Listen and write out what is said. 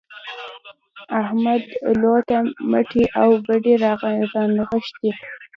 احمد لو ته مټې او بډې راونغښتې.